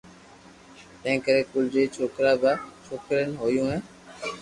تنهنڪري ڪل ٽي ڇوڪرا ۽ ٻه ڇوڪريون هيون.